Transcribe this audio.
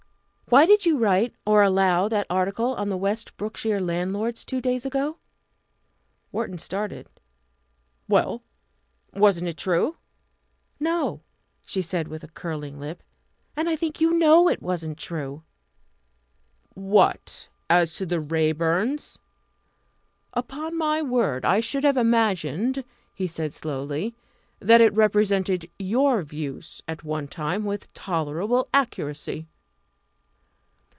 "Why did you write, or allow that article on the West Brookshire landlords two days ago?" Wharton started. "Well! wasn't it true?" "No!" she said with a curling lip; "and I think you know it wasn't true." "What! as to the Raeburns? Upon my word, I should have imagined," he said slowly, "that it represented your views at one time with tolerable accuracy."